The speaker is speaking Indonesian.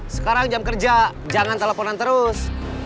sekarang jam kerja jangan teleponan terus